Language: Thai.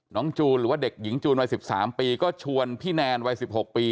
จูนหรือว่าเด็กหญิงจูนวัย๑๓ปีก็ชวนพี่แนนวัย๑๖ปี